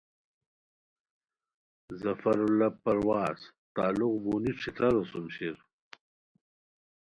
ظفراللہ پروازؔ تعلق بونی ݯھترارو سوم شیر